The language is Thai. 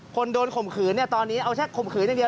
คนโดนข่มขืนเนี่ยตอนนี้เอาแค่ข่มขืนอย่างเดียว